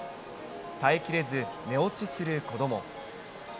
耐えきれず寝落ちする子どもも。